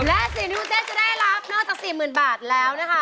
และสิ่งที่วุ้นเส้นจะได้รับนอกจาก๔๐๐๐บาทแล้วนะคะ